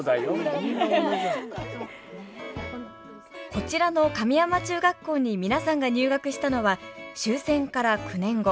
こちらの神山中学校に皆さんが入学したのは終戦から９年後。